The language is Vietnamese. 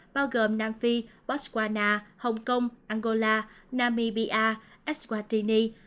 bao gồm nam phi botswana hồng kông angola namibia eswatini